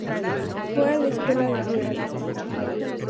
Fue a la Escuela de Guerra.